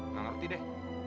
gak ngerti deh